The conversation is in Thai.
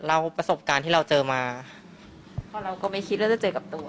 ประสบการณ์ที่เราเจอมาเพราะเราก็ไม่คิดว่าจะเจอกับตัว